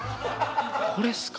これすか？